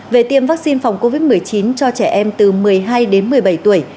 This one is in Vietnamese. về tiêm vaccine phòng covid một mươi chín cho trẻ em từ một mươi hai đến một mươi bảy tuổi